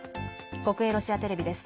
国営ロシアテレビです。